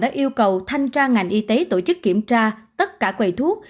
đã yêu cầu thanh tra ngành y tế tổ chức kiểm tra tất cả quầy thuốc